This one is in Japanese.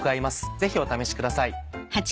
ぜひお試しください。